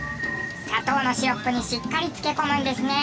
砂糖のシロップにしっかり漬け込むんですね。